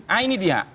ah ini dia